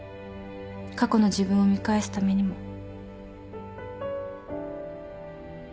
過去の自分を見返すためにも。